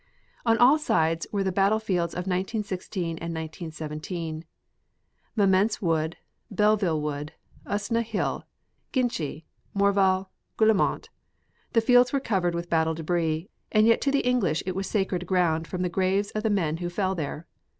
On all sides were the battle fields of 1916 and 1917; Mametz Wood, Belleville Wood, Usna Hill, Ginchy, Morval, Guillemont. The fields were covered with battle debris, and yet to the English it was sacred ground from the graves of the men who fell there.